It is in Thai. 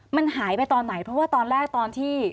มันหายไปตอนไหนเพราะว่าตอนแรกตอนที่